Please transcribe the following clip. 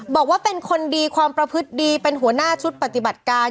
บอกว่าเป็นคนดีความประพฤติดีเป็นหัวหน้าชุดปฏิบัติการ